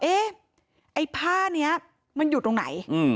ไอ้ผ้านี้มันอยู่ตรงไหน